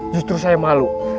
justru saya malu